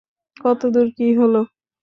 কতদুর কী হলো?